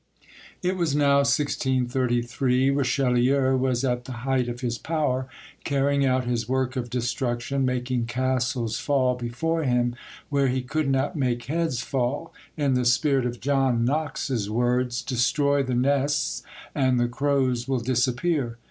It was now 1633: Richelieu was at the height of his power, carrying out his work of destruction, making castles fall before him where he could not make heads fall, in the spirit of John Knox's words, "Destroy the nests and the crows will disappear."